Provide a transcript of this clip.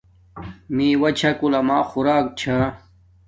میوہ چھا کولی اما خوراک چھا